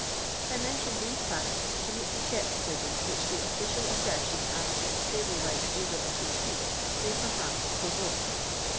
I mention these fiwU to meet the scepticism which the official assertion as to the stable like odour of the streeU may, perhaps, provoke.